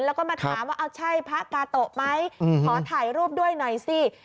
แล้วก็มาถามว่าเอาใช่พระกาโตะไหมขอถ่ายรูปด้วยหน่อยสิ